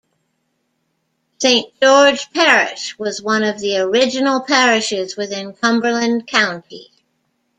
Saint George Parish was one of the original parishes within Cumberland County.